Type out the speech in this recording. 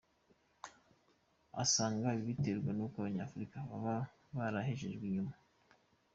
Asanga ibi biterwa n’uko abanyafurika baba barahejejwe inyuma.